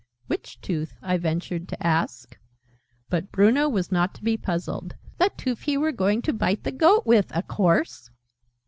"Which tooth?" I ventured to ask. But Bruno was not to be puzzled. "The toof he were going to bite the Goat with, a course!"